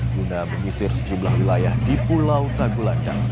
guna mengisir sejumlah wilayah di pulau tagulanda